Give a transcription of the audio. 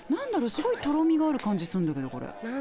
すごいとろみがある感じすんだけどこれ。